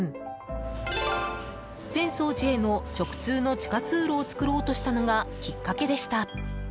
浅草寺への直通の地下通路を作ろうとしたのがきっかけでした。